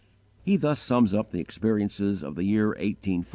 He thus sums up the experiences of the year 1840: 1.